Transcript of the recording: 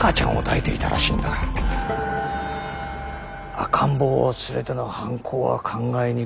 赤ん坊を連れての犯行は考えにくい。